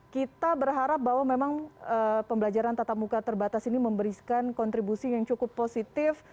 kita berharap bahwa memang pembelajaran tatap muka terbatas ini memberikan kontribusi yang cukup positif